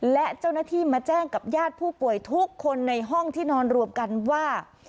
และเจ้าหน้าที่มาแจ้งกับญาติผู้ป่วยทุกคนในห้องที่นอนรวมกันว่า